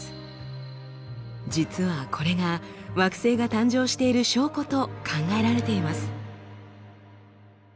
実はこれが惑星が誕生している証拠と考えられています。